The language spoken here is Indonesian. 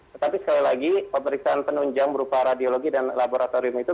tetapi sekali lagi pemeriksaan penunjang berupa radiologi dan laboratorium itu